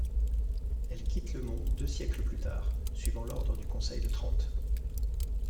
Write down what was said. Elles quittent le mont deux siècles plus tard, suivant l’ordre du Conseil de Trente.